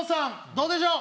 どうでしょう？